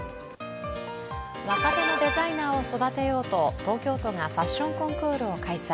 若手のデザイナーを育てようと東京都がファッションコンクールを開催。